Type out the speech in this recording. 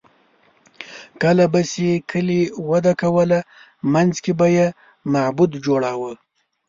کله به چې کلي وده کوله، منځ کې به یې معبد جوړاوه.